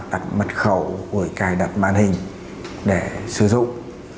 đặt mật khẩu của cài đặt màn hình để sử dụng